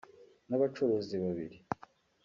n’abacuruzi babiri